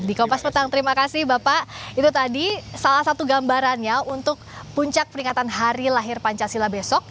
di kompas petang terima kasih bapak itu tadi salah satu gambarannya untuk puncak peringatan hari lahir pancasila besok